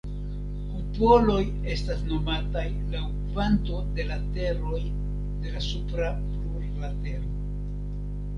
Kupoloj estas nomataj laŭ kvanto de lateroj de la supra plurlatero.